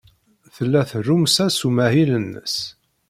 Tella terrumsa s umahil-nnes.